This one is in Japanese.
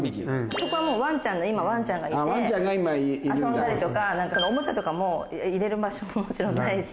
そこはもうわんちゃんの今わんちゃんがいて遊んだりとか何かおもちゃとかも入れる場所ももちろんないし。